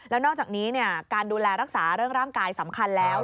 แล้วนอกจากนี้การดูแลรักษาเรื่องร่างกายสำคัญแล้ว